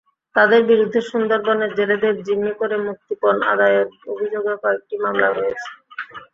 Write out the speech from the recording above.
তাঁদের বিরুদ্ধে সুন্দরবনে জেলেদের জিম্মি করে মুক্তিপণ আদায়ের অভিযোগে কয়েকটি মামলা রয়েছে।